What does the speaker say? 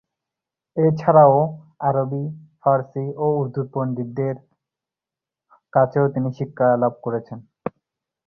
এছাড়াও আরবি, ফার্সি ও উর্দু পন্ডিতদের কাছেও তিনি শিক্ষালাভ করেছেন।